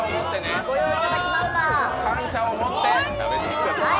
感謝を持って食べてください。